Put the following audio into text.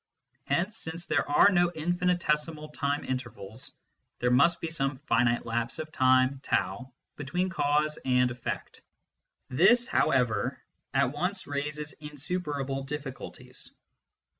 Hence, since there are no infinitesimal time intervals, there must be some finite lapse of time r between cause and effect. This, however, at once raises insuperable difficulties.